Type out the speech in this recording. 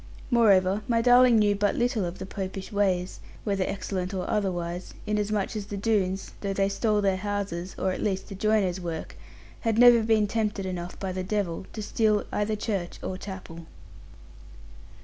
Moreover, my darling knew but little of the Popish ways whether excellent or otherwise inasmuch as the Doones, though they stole their houses, or at least the joiner's work, had never been tempted enough by the devil to steal either church or chapel.